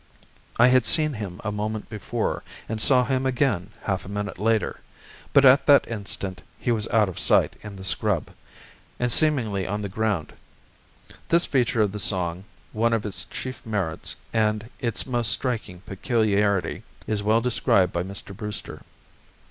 I had seen him a moment before, and saw him again half a minute later, but at that instant he was out of sight in the scrub, and seemingly on the ground. This feature of the song, one of its chief merits and its most striking peculiarity, is well described by Mr. Brewster.